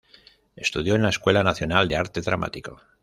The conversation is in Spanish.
Estudió en la Escuela Nacional de Arte Dramático.